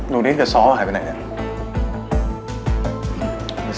ลูกนี้กับซอสอายไปไหนเนี่ย